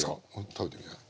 食べてみなよ。